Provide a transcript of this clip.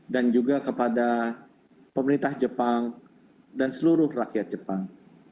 dan juga kepada pemerintah jepang dan seluruh rakyat jepang